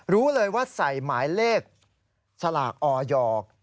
รู้เลยว่าใส่หมายเลขสลากออยอร์